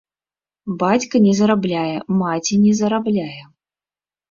Бацька не зарабляе, маці не зарабляе.